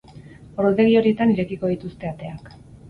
Ordutegi horietan irekiko dituzte ateak.